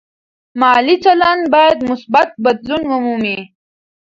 مالي چلند باید مثبت بدلون ومومي.